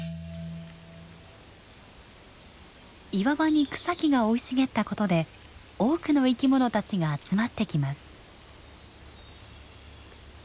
岩場に草木が生い茂ったことで多くの生き物たちが集まってきます。